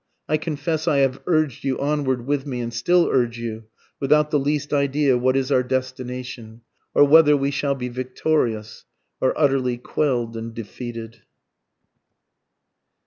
I confess I have urged you onward with me, and still urge you, without the least idea what is our destination, Or whether we shall be victorious, or utterly quell'd and defeated.